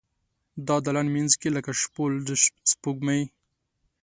د دالان مینځ کې لکه شپول د سپوږمۍ